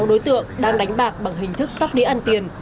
một mươi sáu đối tượng đang đánh bạc bằng hình thức sóc đĩa ăn tiền